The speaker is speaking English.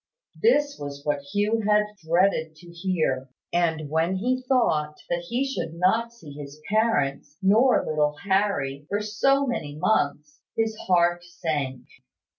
This was what Hugh had dreaded to hear; and when he thought that he should not see his parents, nor little Harry, for so many months, his heart sank.